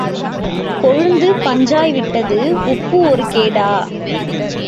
கொழுந்து பஞ்சாய் விட்டது, உப்பு ஒரு கேடா?